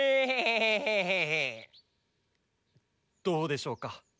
どうでしょうか？